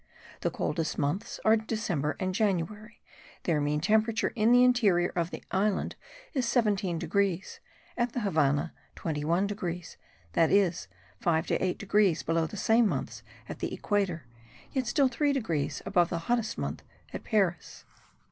The coldest months are December and January; their mean temperature in the interior of the island, is 17 degrees; at the Havannah, 21 degrees, that is, 5 to 8 degrees below the same months at the equator, yet still 3 degrees above the hottest month at Paris.